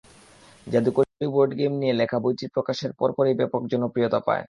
জাদুকরি board game নিয়ে লেখা বইটি প্রকাশের পরপরই ব্যাপক জনপ্রিয়তা পায়।